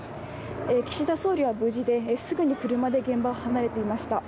岸田総理は無事ですぐに車で現場を離れていました。